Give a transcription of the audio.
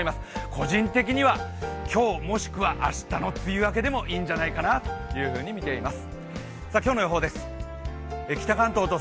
個人的には今日、もしくは明日の梅雨明けでいいんじゃないかなと見ています。